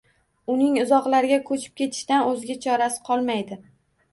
Uning uzoqlarga ko`chib ketishdan o`zga chorasi qolmaydi